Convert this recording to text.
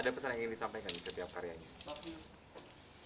ada pesan yang ingin disampaikan di setiap karyanya